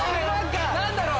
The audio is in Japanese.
何だろう？